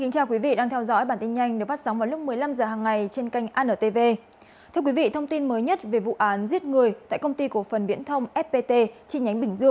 các bạn hãy đăng ký kênh để ủng hộ kênh của chúng mình nhé